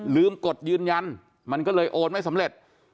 กดยืนยันมันก็เลยโอนไม่สำเร็จ